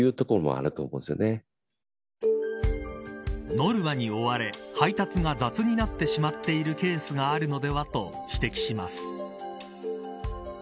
ノルマに追われ配達が雑になってしまっているケースがあるのではと指摘します。